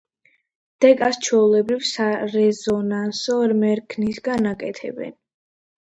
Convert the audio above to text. დეკას ჩვეულებრივ სარეზონანსო მერქნისაგან აკეთებენ.